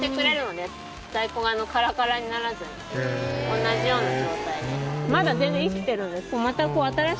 同じような状態で。